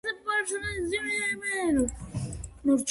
მათი არსებობა აკნეს მძიმე მიმდინარეობაზე მეტყველებს.